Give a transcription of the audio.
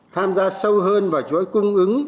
tham gia sâu hơn vào chuỗi cung ứng